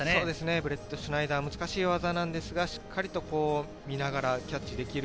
ブレットシュナイダー、難しい技なんですが、しっかり見ながらキャッチできる。